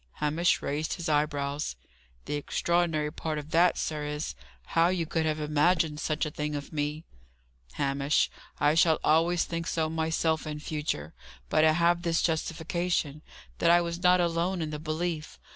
Hamish raised his eyebrows. "The extraordinary part of that, sir, is, how you could have imagined such a thing of me." "Hamish, I shall always think so myself in future. But I have this justification that I was not alone in the belief.